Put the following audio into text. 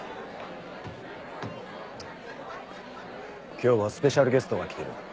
今日はスペシャルゲストが来てる